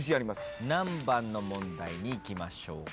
何番の問題にいきましょうか？